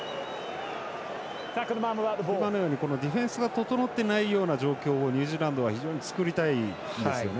今のようにディフェンスが整っていないような状況をニュージーランドは非常に作りたいんですよね。